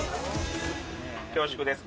恐縮です。